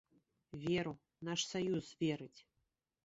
Веру, наш саюз верыць.